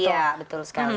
iya betul sekali